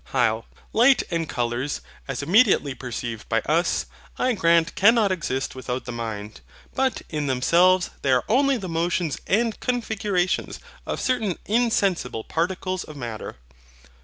HYL. Light and colours, as immediately perceived by us, I grant cannot exist without the mind. But in themselves they are only the motions and configurations of certain insensible particles of matter.